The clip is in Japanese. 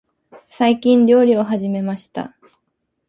最近、料理を始めました。